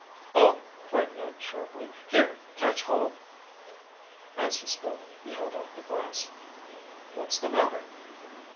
"Oh!" cried Ned sharply. "Here, catch hold." As he spoke he held out the glass. "What's the matter?"